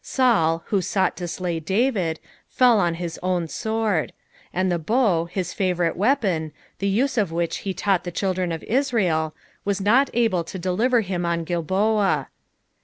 Saul, who sought to slay David, fell on his own\ sword i and the bow, his favourite weapon, the use of which he taught the children of Israel, was not able to deliver him on Giiboa.